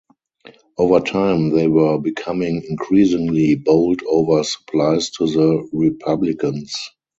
Over time they were becoming increasingly bold over supplies to the Republicans.